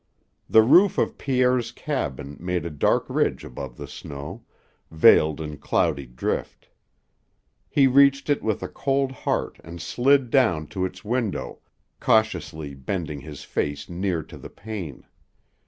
The roof of Pierre's cabin made a dark ridge above the snow, veiled in cloudy drift. He reached it with a cold heart and slid down to its window, cautiously bending his face near to the pane.